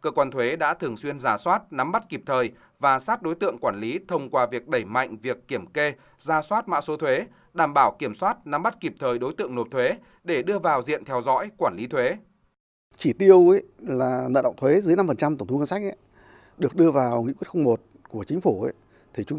cơ quan công an đã xử lý hình sự ba vụ và khởi tố một số bị can liên quan đến trốn lộ thuế